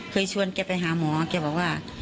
เคยชวนแกไปหาหมอแกบอกว่า